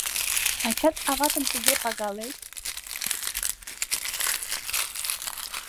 Ачат-аватым тыге пагалет?!